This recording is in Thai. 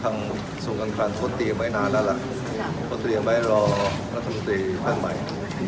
ทางส่วนกันคลันโฆษณียังไม่นานแล้วล่ะโฆษณียังไม่รอรัฐมนตรีพันธ์ใหม่